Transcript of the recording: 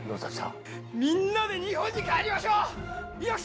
みんなで日本に帰りましょう！